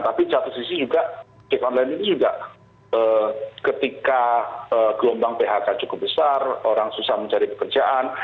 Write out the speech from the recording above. tapi di satu sisi juga ojek online ini juga ketika gelombang phk cukup besar orang susah mencari pekerjaan